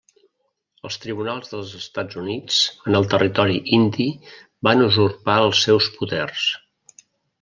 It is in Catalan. Els tribunals dels Estats Units en el Territori Indi van usurpar els seus poders.